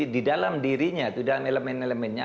di dalam dirinya itu dalam elemen elemennya